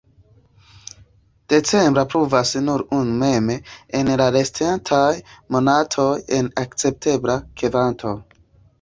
Decembre pluvas nur unu mm, en la restintaj monatoj en akceptebla kvanto.